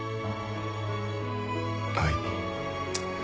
はい。